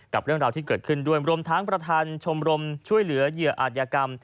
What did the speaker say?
เรื่องราวที่เกิดขึ้นด้วยรวมทั้งประธานชมรมช่วยเหลือเหยื่ออาจยากรรม